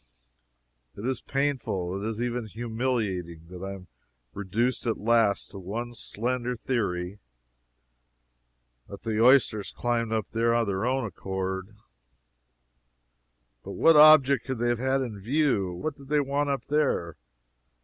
It is painful it is even humiliating but I am reduced at last to one slender theory: that the oysters climbed up there of their own accord. But what object could they have had in view? what did they want up there?